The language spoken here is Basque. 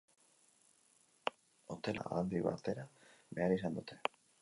Hotelean hiru pertsona zeuden, eta handik atera behar izan dute.